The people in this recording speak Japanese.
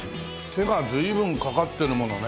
手が随分かかってるものね。